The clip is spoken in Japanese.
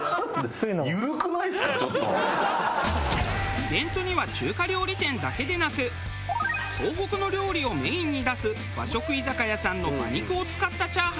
イベントには中華料理店だけでなく東北の料理をメインに出す和食居酒屋さんの馬肉を使ったチャーハンや。